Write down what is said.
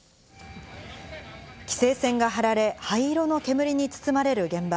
規制線が張られ、灰色の煙に包まれる現場。